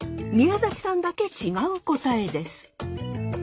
宮崎さんだけ違う答えです。